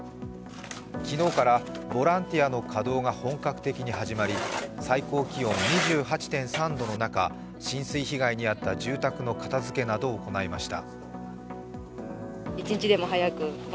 昨日からボランティアの稼働が本格的に始まり最高気温２８．３度の中浸水被害に遭った住宅の片付けなどを行いました。